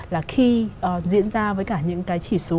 là khi diễn ra với cả những cái chỉ số